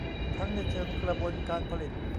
ทั้งในเชิงกระบวนการผลิต